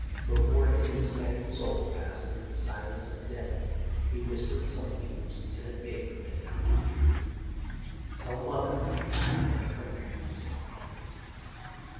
Before his misguided soul passed into the silence of death he whispered something which Lieutenant Baker bent down to hear. " Tell mother I die for my country," he said, faintly.